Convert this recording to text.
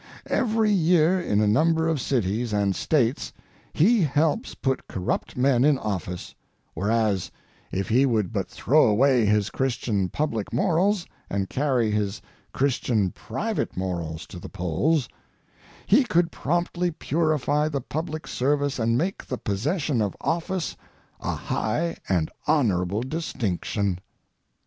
Every year in a number of cities and States he helps put corrupt men in office, whereas if he would but throw away his Christian public morals, and carry his Christian private morals to the polls, he could promptly purify the public service and make the possession of office a high and honorable distinction.